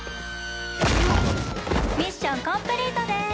ミッションコンプリートです！